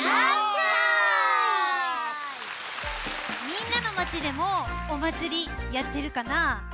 みんなのまちでもおまつりやってるかな？